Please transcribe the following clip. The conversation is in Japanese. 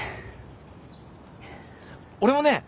俺もね